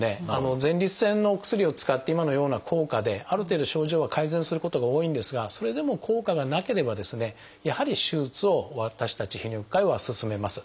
前立腺のお薬を使って今のような効果である程度症状が改善することが多いんですがそれでも効果がなければですねやはり手術を私たち泌尿器科医は勧めます。